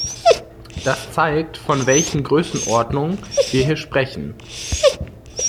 Das zeigt, von welchen Größenordnung wir hier sprechen.